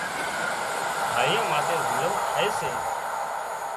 هاۯيئاان ماٿي ظلم ٿائي سي